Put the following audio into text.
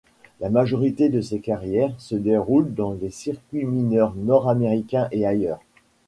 La majorité de sa carrière se déroule dans les circuits mineurs nord-américains et ailleurs.